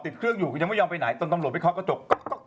ติดเครื่องอยู่ยังไม่ยอมไปไหนจนตำรวจไปเคาะกระจก